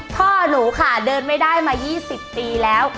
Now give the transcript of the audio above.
พ่อหนูค่ะเดินไม่ได้มา๒๐ปีแล้ว